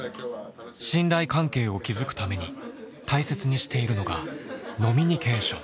信頼関係を築くために大切にしているのが飲みにケーション。